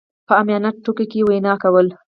په عاميانه ټکو کې يې وينا کوله.